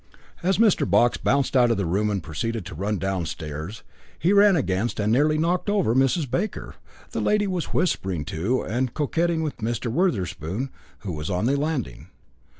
As Mr. Box bounced out of the room and proceeded to run downstairs, he ran against and nearly knocked over Mrs. Baker; the lady was whispering to and coquetting with Mr. Wotherspoon, who was on the landing.